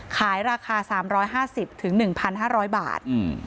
ขายราคา๓๕๐๑๕๐๐บาท